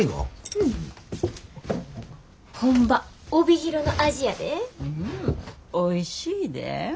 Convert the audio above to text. うんおいしいで。